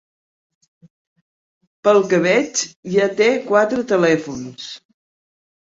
Pel que veig ja té quatre telèfons.